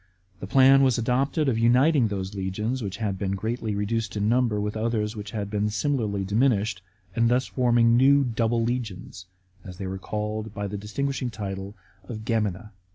The plan was adopted of uniting those legions which had been greatly reduced iu number with others which had been similarly diminished, and thus forming new «* double legions," as they were called by the distinguishing title of Oemina.